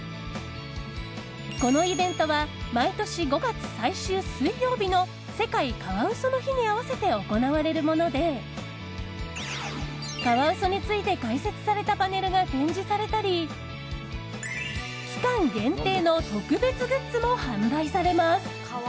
このイベントは毎年５月最終水曜日の世界カワウソの日に合わせて行われるものでカワウソについて解説されたパネルが展示されたり期間限定の特別グッズも販売されます。